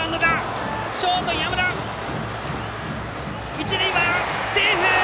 一塁セーフ！